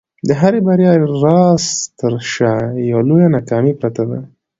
د هري بریا راز تر شا یوه لویه ناکامي پرته ده.